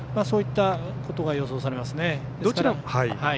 そういったことが予想されますね。